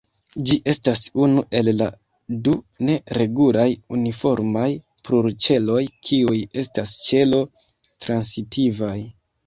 Ĝi estas unu el la du ne-regulaj uniformaj plurĉeloj kiuj estas ĉelo-transitivaj.